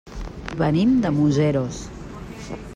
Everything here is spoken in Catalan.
Venim de Museros.